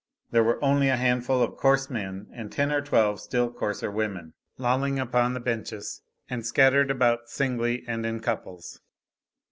There were only a handful of coarse men and ten or twelve still coarser women, lolling upon the benches and scattered about singly and in couples.